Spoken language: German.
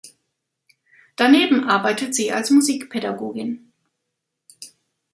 Daneben arbeitet sie als Musikpädagogin.